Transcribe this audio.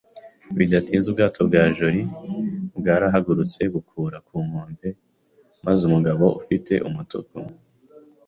Bidatinze, ubwato bwa jolly bwarahagurutse bukurura ku nkombe, maze umugabo ufite umutuku